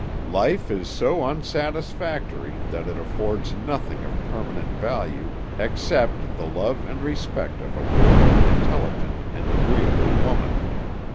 "Life is so unsatisfactory that it affords nothing of permanent value except the love and respect of a worthy, intelligent, and agreeable woman.